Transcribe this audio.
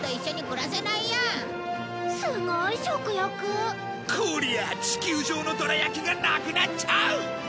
こりゃ地球上のどら焼きがなくなっちゃう！